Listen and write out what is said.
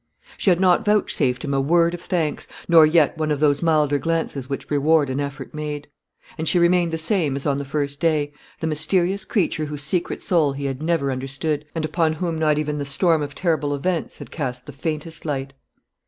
She had not vouchsafed him a word of thanks nor yet one of those milder glances which reward an effort made; and she remained the same as on the first day, the mysterious creature whose secret soul he had never understood, and upon whom not even the storm of terrible events had cast the faintest light.